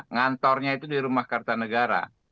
ngantornya itu di rumah kerta negara